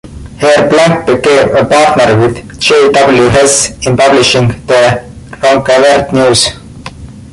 Here Blake became a partner with J. W. Hess in publishing the "Ronceverte News".